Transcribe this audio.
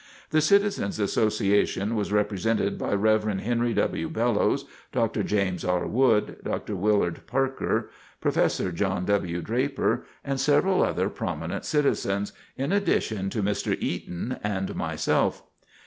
The Citizens Association was represented by Rev. Henry W. Bellows, Dr. James R. Wood, Dr. Willard Parker, Prof. John W. Draper, and several other prominent citizens, in addition to Mr. Eaton and myself.